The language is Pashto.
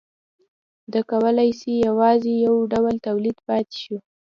د کولالۍ یوازې یو ډول تولید پاتې شو